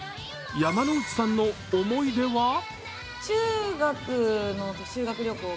山之内さんの思い出は？